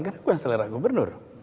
kan aku yang selera gubernur